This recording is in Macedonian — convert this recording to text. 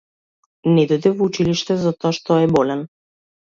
Не дојде во училиште затоа што е болен.